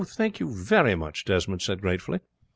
"Thank you very much," Desmond said gratefully.